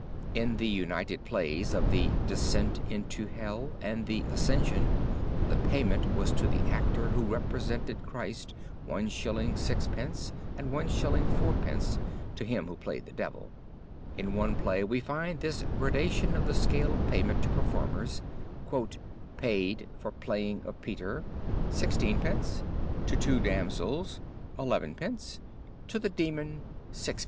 In the united plays of the "Descent into Hell" and the "Ascension," the payment was to the actor who represented Christ, 1s. 6d.; and 1s. 4d. to him who played the Devil. In one play we find this gradation of the scale of payment to performers: "Paid, for playing of Peter, xvid.; to two damsels, xiid.; to the demon, vid.